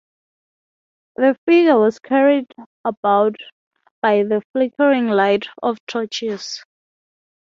The figure was carried about by the flickering light of torches.